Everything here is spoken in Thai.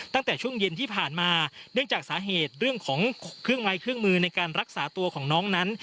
ตั้งแต่ช่วงเย็นที่ผ่านมาเนื่องจากสาเหตุเรื่องของเครื่องไม้เครื่องมือในการรักษาตัวของน้องนั้น